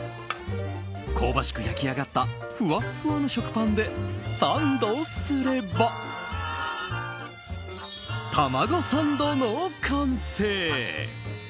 香ばしく焼き上がったふわっふわの食パンでサンドすればたまごサンドの完成！